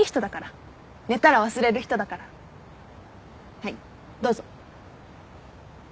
はいどうぞ。